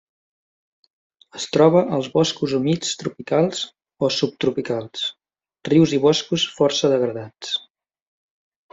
Es troba als boscos humits tropicals o subtropicals, rius i boscos força degradats.